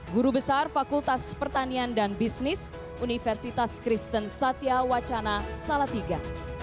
guru besar fakultas pertanian dan bisnis universitas kristen satya wacana salatiga